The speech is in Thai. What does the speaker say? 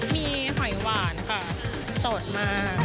มีหอยหวานค่ะสดมาก